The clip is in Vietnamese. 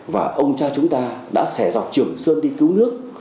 và ông cha chúng ta đã xẻ dọc trường sơn đi cứu nước